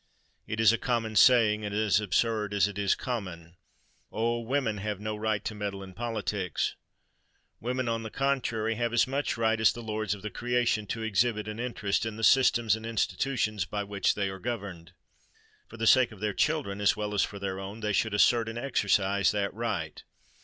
It is a common saying, and as absurd as it is common—"Oh! women have no right to meddle in politics." Women, on the contrary, have as much right as "the lords of the creation" to exhibit an interest in the systems and institutions by which they are governed. For the sake of their children, as well as for their own, they should assert and exercise that right.